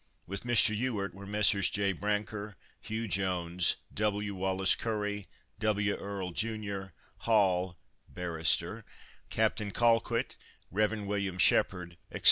With Mr. Ewart were Messrs. J. Brancker, Hugh Jones, W. Wallace Currie, W. Earle, jun., Hall (barrister), Captain Colquitt, Rev. Wm. Shepherd, etc.